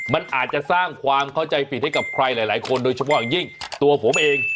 มันอาจจะสร้างความเข้าใจผิดให้กับใครหลายคนโดยเฉพาะอย่างยิ่งตัวผมเอง